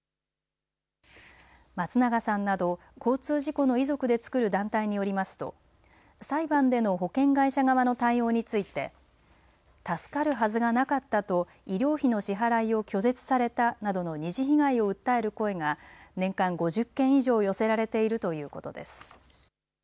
松永さんなど交通事故の遺族でつくる団体によりますと裁判での保険会社側の対応について助かるはずがなかったと医療費の支払いを拒絶されたなどの二次被害を訴える声が年間５０件以上寄せられているということです。